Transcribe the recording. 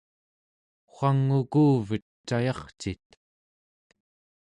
wang'ukuvet cayarcit?